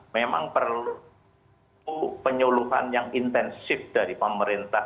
memang perlu penyuluhan yang intensif dari pemerintah